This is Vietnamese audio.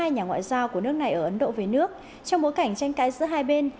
một mươi nhà ngoại giao của nước này ở ấn độ về nước trong bối cảnh tranh cãi giữa hai bên